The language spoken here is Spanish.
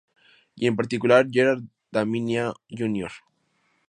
Y en particular, Gerard Damiano Jr.